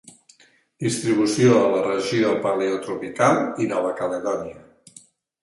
Distribució a la regió paleotropical i Nova Caledònia.